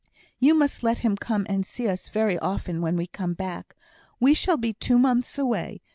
"You must let him come and see us very often when we come back. We shall be two months away.